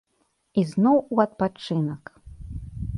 І зноў у адпачынак!